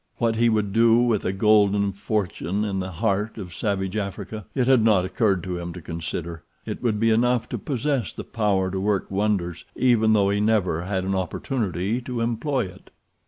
What he would do with a golden fortune in the heart of savage Africa it had not occurred to him to consider—it would be enough to possess the power to work wonders, even though he never had an opportunity to employ it.